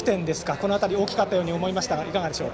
この辺り大きかったように思います。